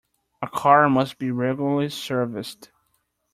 A car must be regularly serviced.